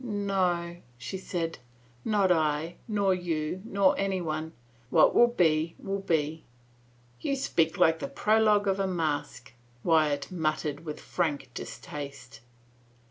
" No," she said. " Not I — nor you — nor anyone. What will be, will be." " You speak like the prologue of a masque," Wyatt muttered with frank distaste.